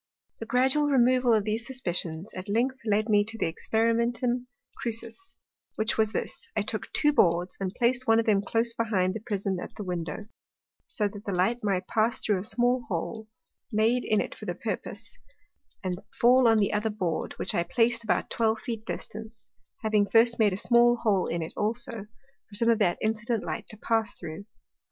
The gradual removal of these suspicions, at length led me to the Experimentum Crucis, which was this; I took two Boards, and plac'd one of them close behind the Prism at the Window, so that the light might pass through a small hole, made in it for the purpose, and fall on the other Board, which I plac'd at about twelve Feet distance, having first made a small hole in it also, for some of that incident Light to pass through.